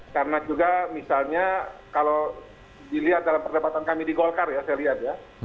karena juga misalnya kalau dilihat dalam perdebatan kami di golkar ya saya lihat ya